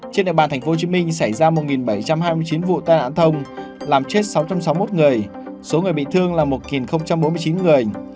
trên địa bàn tp hcm xảy ra một bảy trăm hai mươi chín vụ tai nạn thông làm chết sáu trăm sáu mươi một người số người bị thương là một bốn mươi chín người